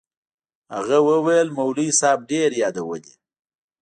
هغه وويل مولوي صاحب ډېر يادولې.